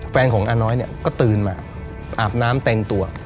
แฟนของอ้าน้อยก็ตื่นมาอาบน้ำแต่งตัว